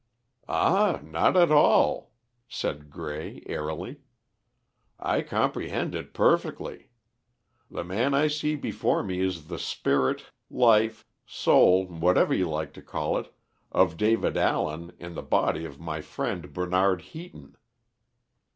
"Ah, not at all," said Grey, airily. "I comprehend it perfectly. The man I see before me is the spirit, life, soul, whatever you like to call it of David Allen in the body of my friend Bernard Heaton.